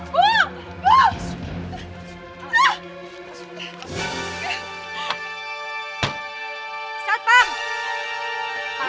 terima kasih kayak handsomenya